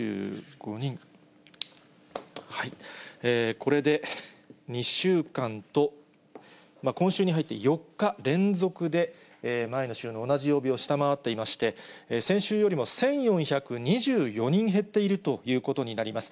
これで２週間と、今週に入って、４日連続で前の週の同じ曜日を下回っていまして、先週よりも１４２４人減っているということになります。